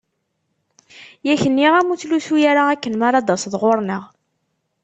Yak nniɣ-am ur ttlusu ara akken mi ara d-taseḍ ɣur-neɣ.